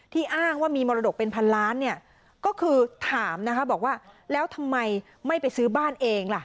ที่อ้างว่ามีมรดกเป็นพันล้านก็คือถามแล้วทำไมไม่ไปซื้อบ้านเองล่ะ